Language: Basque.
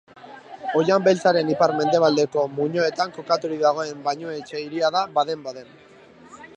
Oihan Beltzaren ipar-mendebaldeko muinoetan kokaturik dagoen bainu-etxe hiria da Baden-Baden.